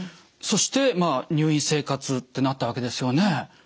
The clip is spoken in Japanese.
そしてまあ入院生活ってなったわけですよね。